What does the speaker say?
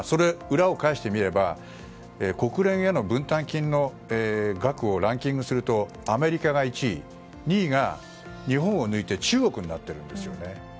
裏を返してみれば国連への分担金の額をランキングするとアメリカが１位２位が日本を抜いて中国になってるんですよね。